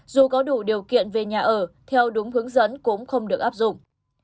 dù có đủ điều kiện về nhà ở theo đúng hướng dẫn cũng không được áp dụng